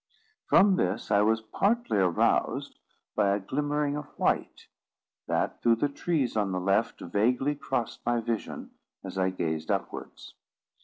From this I was partly aroused by a glimmering of white, that, through the trees on the left, vaguely crossed my vision, as I gazed upwards.